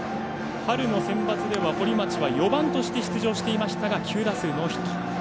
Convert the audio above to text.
春のセンバツでは堀町は４番として出場していましたが９打数ノーヒット。